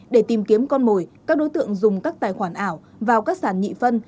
để tìm kiếm con mồi các đối tượng dùng các tài khoản ảo vào các sản nhị phân